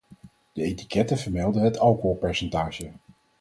De etiketten vermelden het alcoholpercentage.